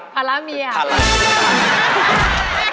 ภาระเมียภาระภาระเมีย